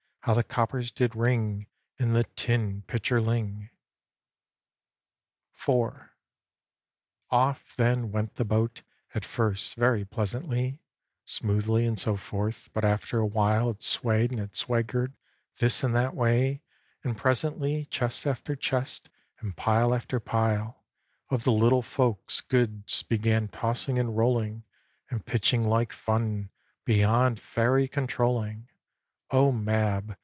How the coppers did ring In the tin pitcherling! IV Off, then, went the boat, at first very pleasantly, Smoothly, and so forth; but after a while It swayed and it swagged this and that way, and presently Chest after chest, and pile after pile, Of the Little Folks' goods began tossing and rolling, And pitching like fun, beyond Fairy controlling! O Mab!